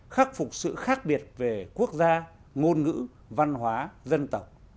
khắc phục sự khác biệt về quốc gia ngôn ngữ văn hóa dân tộc